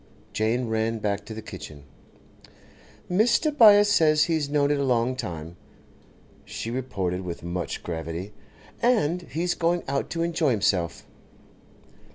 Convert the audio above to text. Jane ran back to the kitchen. 'Mr. Byass says he's known it a long time,' she reported, with much gravity. 'And he's going out to enjoy himself.